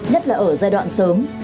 nhất là ở giai đoạn sớm